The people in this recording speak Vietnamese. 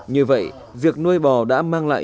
như vậy việc nuôi bò đã mang lại